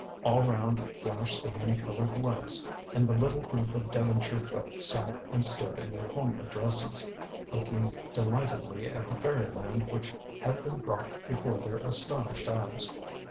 All round flashed the many coloured lights, and the little group of Devonshire folk sat and stood in their homely dresses, looking delightedly at the fairyland which had been brought before their astonished eyes.